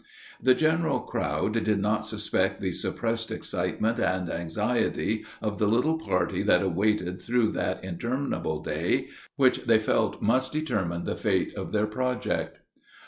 The general crowd did not suspect the suppressed excitement and anxiety of the little party that waited through that interminable day, which they felt must determine the fate of their project.